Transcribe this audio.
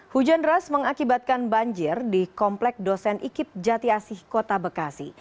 hujan deras mengakibatkan banjir di komplek dosen ikip jati asih kota bekasi